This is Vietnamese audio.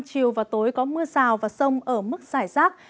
chiều và tối có mưa rào và sông ở mức giải rác